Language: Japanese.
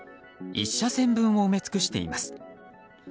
１車線分を埋め尽くしています。